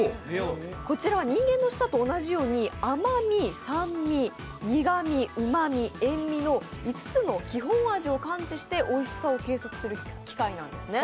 こちらは人間の舌と同じように甘み、酸味、苦み、うまみ、塩みの５つの基本味を感知しておいしさを計測する機械なんですね。